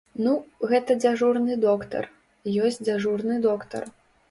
Ну, гэта дзяжурны доктар, ёсць дзяжурны доктар.